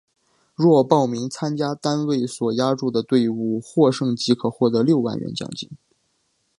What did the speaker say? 若报名参加单位所押注的队伍获胜即可获得六万元奖金。